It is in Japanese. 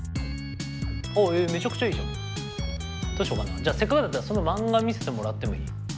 じゃあせっかくだからそのマンガ見せてもらってもいい？